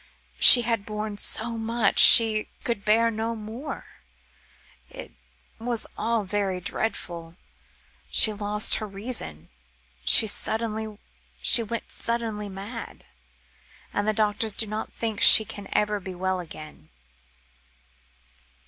She had borne so much; she could bear no more. It was all very dreadful; she lost her reason; she went suddenly mad; and the doctors do not think she can ever be well again.